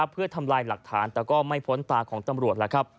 เพื่อทำลายหลักฐานแต่ก็ไม่พ้นตาของตำรวจแล้วครับ